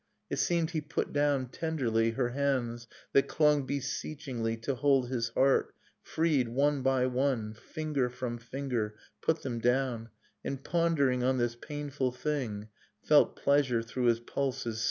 It seemed he put down tenderly Her hands, that clung beseechingly To hold his heart, — freed one by one Finger from finger, put them down; And pondering on this painful thing Felt pleasure through his pulses sting